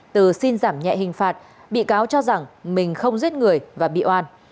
từ xin giảm nhẹ hình phạt bị cáo cho rằng mình không giết người và bị oan